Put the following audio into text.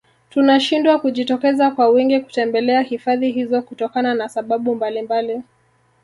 Tunashindwa kujitokeza kwa wingi kutembelea hifadhi hizo kutokana na sababu mbalimbali